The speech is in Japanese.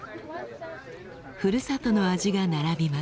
ふるさとの味が並びます。